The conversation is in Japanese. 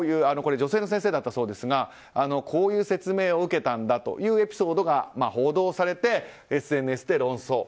女性の先生だったそうですがこういう説明を受けたんだというエピソードが報道されて、ＳＮＳで論争。